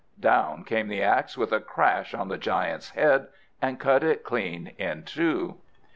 Down came the axe with a crash on the giant's head, and cut it clean in two!